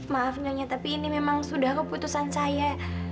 maaf nyonya tapi ini memang sudah keputusan saya